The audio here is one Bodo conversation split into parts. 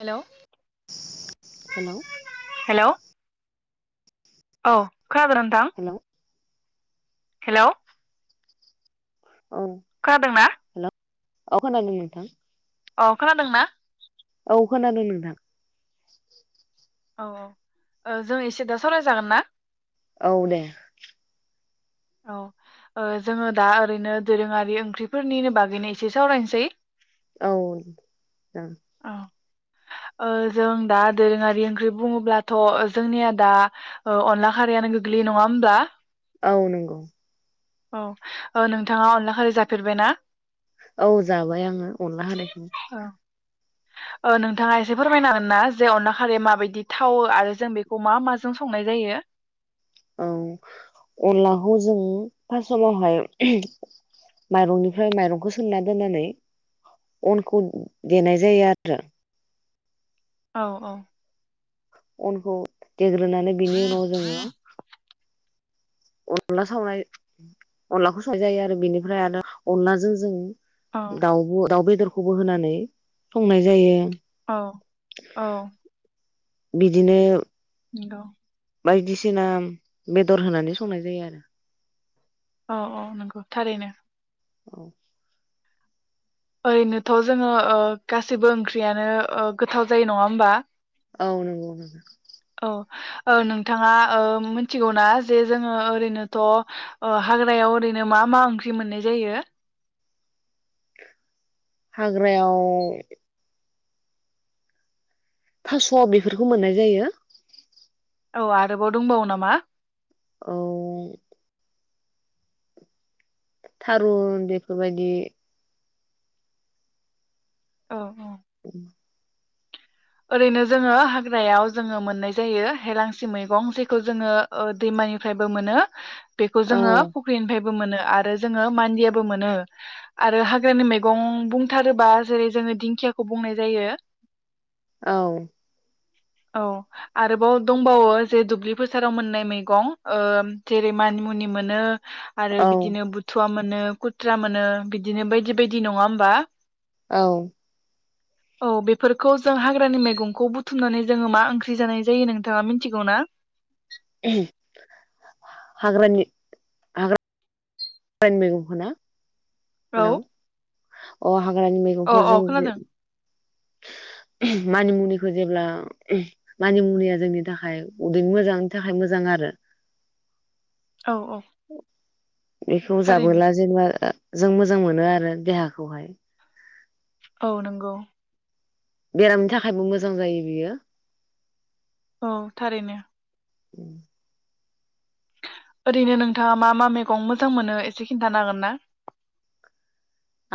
हेल'। हेलौ। हेलौ औ। खोनादोना नोंथां? Hello hello. औ खोनादोंना हेलौ। औ खानादों नोंथां। औ खोनादों ना? औ खोनादों नोंथां। औ औ ओ जों एसे दा सावराजागोन ना? औ दे। औ ओ जोङो दा ओरैनो दोरोङारि ओंख्रिफोरनिनो बागैनो एसे सावरायनोसै। औ। औ ओ जों दा दोरोङारि ओंख्रि बुङोब्लाथ' जोंनिया दा ओ अनला खारैयानो गोग्लैयो नङा होमब्ला? औ नंगौ। औ औ नोंथाङा अनला खारै जाफेरबायना? औ जाबाय आङो अनला खारै। औ ओ नोंथाङा एसे फोरमायनो हागोन ना जे अनला खारैया माबायदि थावो आरो जों बेखौ मा माजों संनाय जायो? औ अनलाखौ जों फार्समावहाय माइरंनिफ्राय माइरंखौ सोमना दोननानै अनखौ देनाय जायो आरो। औ औ। उनखौ देग्रोनानै बिनि उनाव जोङो अनला सावनाय अनलाखौ सावनाय जायो आरो बेनिफ्राय आरो अनलाजों जों औ दाउबो दाउ बेदर खौबो होनानै संनाय जायो। औ औ बिदिनो औ। बायदिसिना बेदर होनानै संनाय जायो आरो। औ औ नंगौ थारैनो। औ। ओरैनोथ जोङो ओ गासिबो ओंख्रियानो ओ गोथाव जायो नङा होमबा? औ नंगौ। औ ओ नोंथाङा ओ मिनथिगौना जे जोङो ओरैनोथ हाग्रायाव ओरैनो मा मा ओंख्रि मोननाय जायो? हाग्रायाव थास' बेफोरखौ मोननाय जायो। औ आरोबाव दंबावो नामा? औ। थारुन बेफोरबायदि। औ औ। [inaudible] ओरैनो जोङो हाग्रायाव जोङो मोननाय जायो हेलांसि मैगं जेखौ जोङो ओ दैमानिफ्रायबो मोनो। बेखौ औ जोङो फुख्रिनिफ्राय बो मोनो आरो जोङो मान्दियाबो मोनो आरो हाग्रानि मैगं बुंथारोबा जेरै जोङो दिंखियाखौ बुंनाय जायो। औ। औ आरोबाव दंबावो जे दुब्लि फोसाराव मोननाय मैगं ओ जेरै मानि मुनि मोनो। आरो औ बिदिनो बुथुवा मोनो। मोनो खुथ्रा मोनो बिदिनो बायदि बायदि नङा होमबा। औ औ बेफोरखौ। जों हाग्रानि मैगंखौ बुथुमनानै जोङो मा ओंख्रि जानाय जायो नोंथाङा मिथिगौ ना। हाग्रानि हाग्रा हाग्रानि मैगंखौना। औ अ हाग्रानि औ मैगंखौ जों। औ खोनादों मानिमुनिखौ जेब्ला मानिमुनिया जोंनि थाखाय उदैनि मोजांनि थाखाय मोजां आरो। औ औ बेखौ थारैनो जाबोला जेनेबा। जों मोजां मोनो आरो देहाखौहाय। औ नंगौ। बेरामनि थाखायबो मोजां जायो बेयो। औ थारैनो। ओरैनो नोंथाङा मा मा मैगं मोजां मोनो एसे खिन्थान हागोन ना?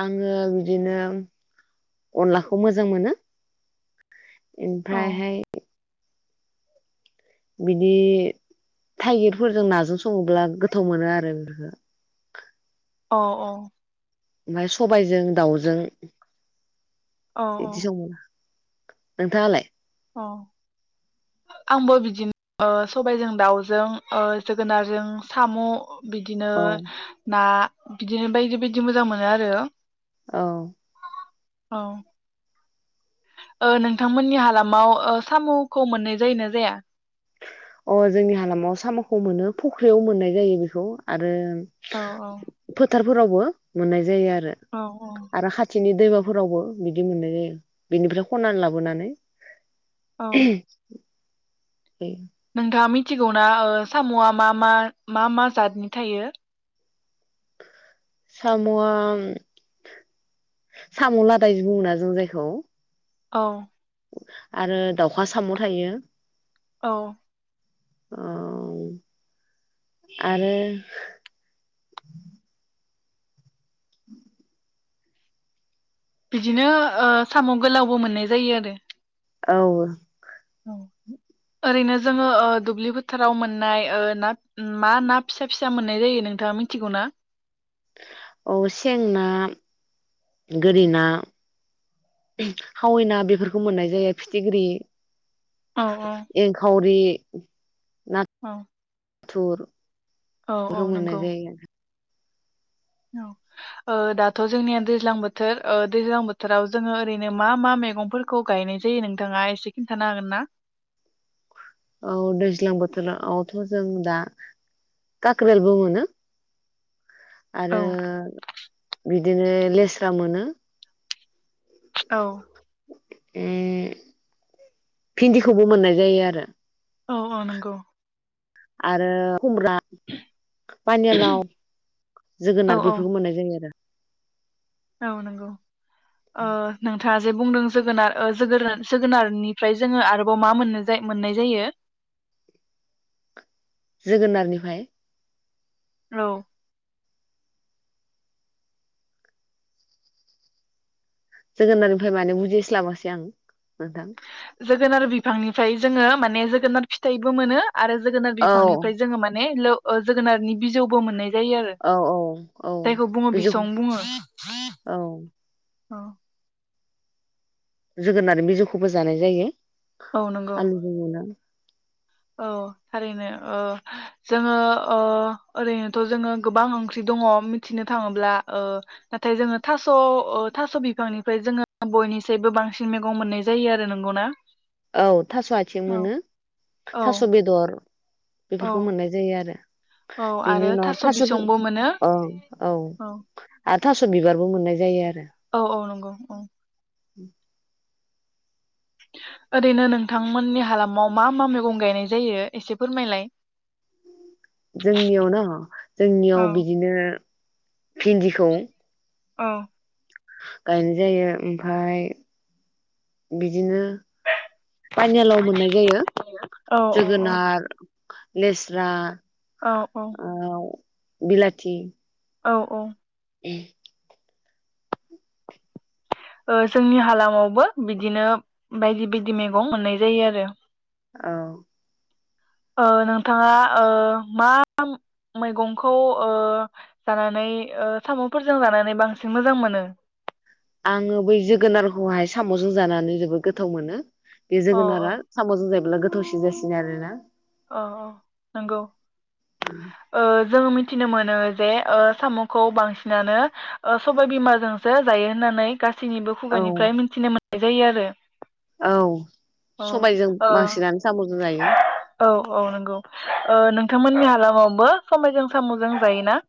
आङो बिदिनो अनलाखौ मोजां मोनो औ ओमफ्रायहाय बिदि थाइगिरफोरजों नाजों सङोब्ला गोथाव मोनो आरो बेफोरखो अ अ ओमफाय सबायजों दाउजों औ बेदि औ सं नोंथाङालाय? अ आंबो बिदिनो ओ सबायजों दाउजों ओ जोगोनारजों साम' बिदिनो औ ना बिदिनो बायदि बायदि मोजां मोनो आरो। औ औ ओ नोंथांमोननि हालामाव ओ साम'खौ मोननाय जायोना जाया? अ जोंनि हालामाव साम'खौ मोनो फख्रियाव मोननाय जायो बेखौ आरो औ औ फोरावबो मोननाय जायो आर रो औ आरो हाथि बिनि दैमाफोरावबो बिदि मोननाय जायो बिनिफ्राय खनानै लाबोनानै औ [unintelligible] नोंथांङा मिथिगौना ओ साम'आ मा मा मा मा जादनि थायो साम'आ साम' लादाय जे बुङो ना जों जायखौ औ आरो दाउखा साम' थायो। औ औ आरो बिदिनो ओ साम' गोलावबो मोननाय जायो आरो। औ औ ओरैनो जोंङो ओ दुब्लि फोथाराव ओ मोननाय ओ ना मा ना फिसा फिसा मोननाय जायो नोंथाङा मिथिगौ ना औ सें ना गोरि ना खावै ना बेफोरखौ मोननाय जायो फिथिग्रि औ औ एंखावरि औ थुर औ औ बेखौ मोननाय नंगौ जायो। औ ओ दाथ' जोंनिया दैज्लां बोथोर ओ दैज्लां बोथोराव जोंङो ओरैनो मा मा मैगंफोरखौ गायनाय जायो नोंथाङा एसे खिन्थानो हागोन ना। औ दैज्लां बोथोरआवथ' जों दा काकरेलबो मोनो। औ आरो बि दिनो लेस्रा मोनो औ अम भिन्दिखौबो मोननाय जायो आरो। औ अ नंगौ आरो खुमब्रा पानिलाव औ जोगोनार औ बेफोरखौ मोननाय जायो आरो। औ नांगौ ओ नोंथाङा जे बुंदों जोगोनार ओ जोगोनार-जोगोनारनिफ्राय जोंङो आरोबाव मा-मोननाय जायो। जोगोनारनिफ्राय औ जोगोनारनिफ्राय माने बुजिस्लाबासै आं नोंथां जोगोनार बिफांनिफ्राय जोंङो माने जोगोनार फिथाइबो मोनो आरो जोगोनार औ बिफांनिफ्राय जोंङो माने ल अ जोगोनारनि बिजौबो मोननाय जायो आरो औ औ औ जायखौ बुंङो बिजौ बिसं बुंङो औ औ जोगोनार बिजौखौबो जानाय जायो। औ नंगौ आलुजों एवना औ थारैनो ओ जोंङो अ ओरैनोथ जोंङो गोबां ओंख्रि दंङ मिथिनो थाङोब्ला ओ नाथाय जोंङो थास-थास बिफांनिफ्राय जोंङो बयनिसबो बांसिन मैगं मोननाय जायो आरो नंगौना। औ थास' आइथिं औ मोनो औ थास' बेदर [inaudible] बेफोरखौ मोननाय जायो आरो। औ बेनि आरो उनाव थास' बिसंबो मोनो औ- औ आर थास बिबारबो मोननाय जायो आरो। औ- औ नंगौ। औ। उम। ओरैनो नोंथांमोननि हालामाव मा मा मैगं गायनाय जायो एसे फोरमायलाय? जोंनियाव ना औ जोंनियाव बिदिनो भिन्दिखौ औ। गायनाय जायो ओमफ्राय बिदिनो पानिलाव मोननाय जायो औ जोगोनार लेस्रा, औ औ। बिलाथि। औ -औ। [inaudible] ओ जोंनि हालामावबो बिदिनो बायदि- बायदि मैगं मोननाय जायो आरो। औ। ओ नोंथाङा ओ मा मैगंखौ ओ जानानै ओ साम'फोरजों जानानै बांसिन मोजां मोनो? आङो बै जोगोनारखौहाय साम'जों जानानै जोबोद गोथाव मोनो। बे अ अ जोगोनारा साम'जों जायोब्ला गो थावसिन जासिनो आरो ना। औ नंगौ ओ जोङो मि थिनो मोनो जे ओ साम'खौ बांसिनानो ओ सबाय बिमाजोंसो जायो होननानै। गासैनिबो औ खुगानिफ्राय मिन्थिनो मोन नाय जायो आरो। औ सबायजों अ बासिनानै साम'जों जायो। औ- औ नंगौ ओ नोंथांमोननि हालामावबो सबायजों साम'जों जायोना?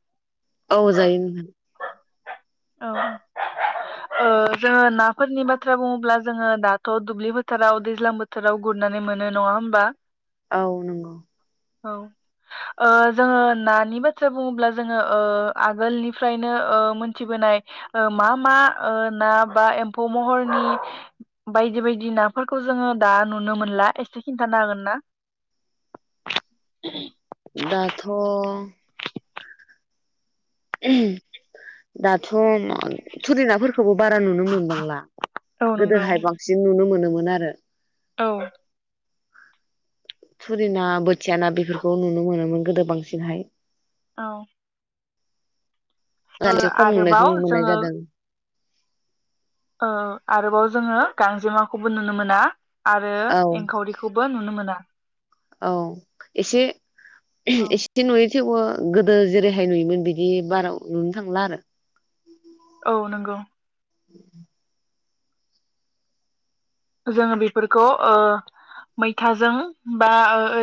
औ जायो नोंथां। औ। ओ जोङो नाफोरनि बाथ्रा बुङोब्ला जोङो दाथ' दुब्लि बोथोराव दैज्लां बोथोराव गुरनानै मोनो नङा होमबा? औ नंगौ। औ ओ जोङो नानि बाथ्रा बुङोब्ला जोङो ओ आगोलनिफ्रायनो ओ मोनथिबोनाय मा मा ना बा एम्फौ महरनि बायदि -बायदि नाफोरखौ जोङो दा नुनो मोनला एसे खिन्थानो हागोन ना? [inaudible] दाथ' दाथ' थुरि नाफोर खौबो बारा नुनो मोनबांला औ नंगौ गोदोहाय बांसिन नुनो मोनोमोन। मोन आरो औ। थुरि ना बोथिया ना बेफोरखौ नुनो मोनोमोन गोदो बांसिनहाय। औ। ओ एसे खम नुनायखौ आरोबाव मोननाय जोङो जादों औ आरोबाव जोङो गांजेमाखौबो नुनो मोना। आरो औ एंखावरिखौबो नुनो मोना। औ एसे औ एसे नुयो। थेवबो गोदो जेरैहाय नुयोमोन बिदि बारा नुनो थांला आरो औ नंगौ। [unintelligible] जोङो बेफोरखौ ओ मैथाजों बा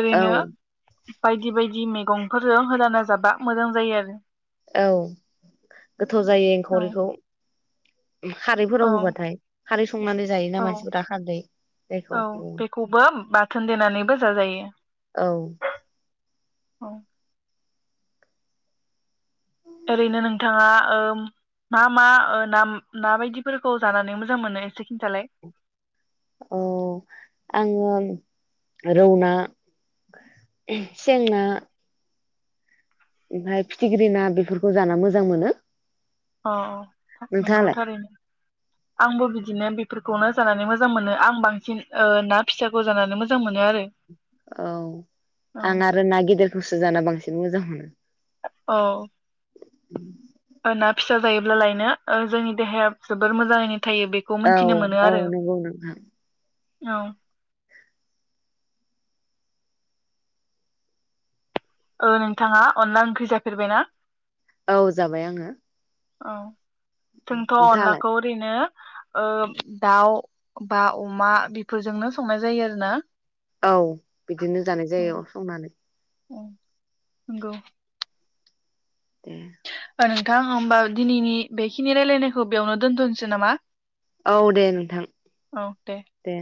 ओरैनो बायदि बायदि मैगंफोरजों होलाना जाबा मोजां जायो आरो। औ गोथाव जायो औ एंखावरिखौ। औ खारैफोराव होबाथाय खारै संनानै जायोना औ मानसिफोरा खारदै औ जायखौ। बेखौबो बाथोन देनानैबो जाजायो। औ। ओरैनो नोंथाङा मा मा ना बायदिफोरखौ जानानै मोजां मोनो एसे खिन्थालाय। औ आङो रौना सेंना ओमफ्राय फिथिख्रि ना बेफोरखौ जा मोजां मोनो। अ-अ। मोनगौ नोंथाङालाय थारैनो आंबो बिदिनो बिफोरखौनो जानानै मोजां मोनो आं बांसिन ओ ना फिसाखौ जानानै मोजां मोनो आरो। औ औ आं आरो न गिदेर दसो जाना बांसिन मोजां मोनो। औ। उम ना फिसा जायोब्लालायनो ओ जोंनि देहाया जोबोर मोजाङैनो। थायो बेखौ औ मोनथिनो मोनो औ आरो नंगौ नोंथां। औ। औ नोंथाङा अनला ओंख्रि जाफेरबायना। औ जाबाय आङो औ। जोंथ' नोंथाङालाय अनलाखौ ओरैनो। दाउ बा अमा बेफोरजोंनो संनाय जायो आरो ना। औ बिदिनो जानाय जायो संनानै औ नंगौ दे नोंथां होमबा दिनैनि बेखिनि रायलायनायखौ बेयावनो दोन्थ'नोसै नामा औ दे नोंथां दे